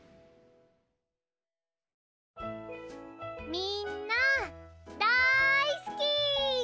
みんなだいすき！